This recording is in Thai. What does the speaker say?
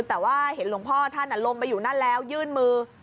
แต่ว่าเห็นหลวงพ่อท่านลงไปอยู่นั่นแล้วยื่นมือ